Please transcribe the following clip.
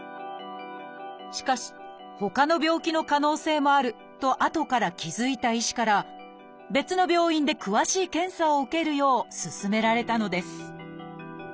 しかしほかの病気の可能性もあるとあとから気付いた医師から別の病院で詳しい検査を受けるようすすめられたのです